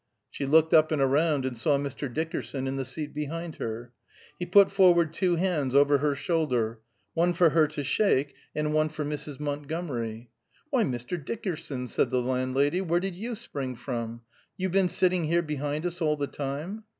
She looked up and around, and saw Mr. Dickerson in the seat behind her. He put forward two hands over her shoulder one for her to shake, and one for Mrs. Montgomery. "Why, Mr. Dickerson!" said the landlady, "where did you spring from? You been sitting here behind us all the time?"